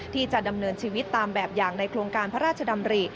ที่จะดำเนินชีวิตตามแบบอย่างในโครงการพระราชดำริ